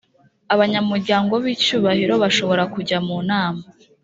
abanyamuryango b icyubahiro bashobora kujya mu nama